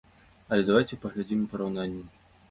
Але давайце паглядзім у параўнанні.